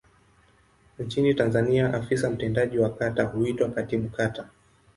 Nchini Tanzania afisa mtendaji wa kata huitwa Katibu Kata.